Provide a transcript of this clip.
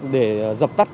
để dập tắt